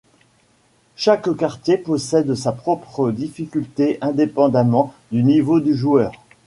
Chaque quartier possède sa propre difficulté, indépendamment du niveau du joueur.